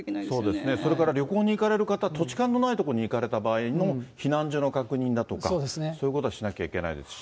そうですね、それから旅行に行かれる方、土地勘のない所に行かれた場合の、避難所の確認だとか、そういうことはしなきゃいけないですし。